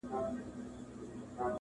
په کوهي کي پر اوزګړي باندي ویر سو -